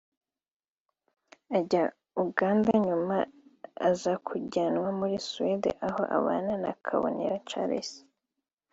Ajya Uganda nyuma azakujyanwa muri Swede aho abana na Kabonero Charles